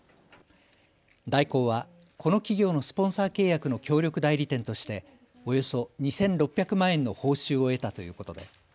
大広はこの企業のスポンサー契約の協力代理店としておよそ２６００万円の報酬を得たということです。